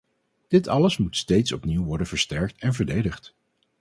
Dit alles moet steeds opnieuw worden versterkt en verdedigd.